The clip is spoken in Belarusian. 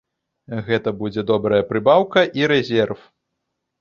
Гэта будзе добрая прыбаўка і рэзерв.